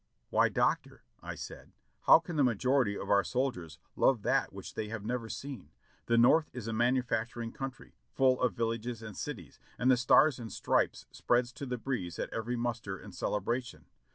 "Why, Doctor," I said, "how can the majority of our soldiers love that which they have never seen? The North is a manu facturing country, full of villages and cities, and the stars and stripes spreads to the breeze at every muster and celebration.